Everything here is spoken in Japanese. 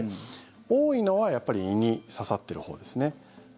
多いのは、やっぱり胃に刺さってるほうですね。